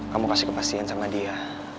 kamu kasih kepastian sama dia